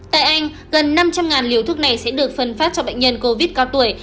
tại anh gần năm trăm linh liều thuốc này sẽ được phân phát cho bệnh nhân covid cao tuổi